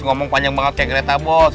ngomong panjang banget kayak kereta bos